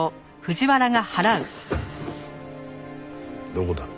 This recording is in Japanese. どこだ？